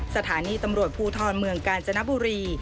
สถานีตำรวจภูทรเมืองกาญจนบุรี